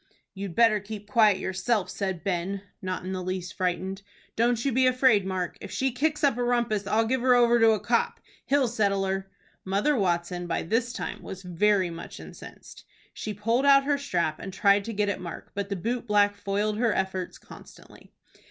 "You'd better keep quiet yourself," said Ben, not in the least frightened. "Don't you be afraid, Mark. If she kicks up a rumpus, I'll give her over to a copp. He'll settle her." Mother Watson by this time was very much incensed. She pulled out her strap, and tried to get at Mark, but the boot black foiled her efforts constantly.